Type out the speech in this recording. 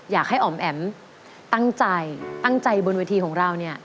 อยากให้อ๋อมแอ๋มตั้งใจตั้งใจบนเวทีของเราเนี่ย